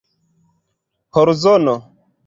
horzono